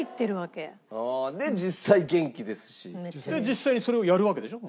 実際にそれをやるわけでしょ？